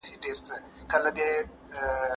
زه کولای سم خواړه ورکړم؟